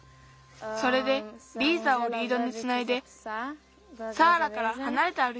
それでリーザをリードにつないでサーラからはなれてあるいたんだ。